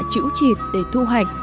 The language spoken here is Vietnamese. chữ trịt để thu hoạch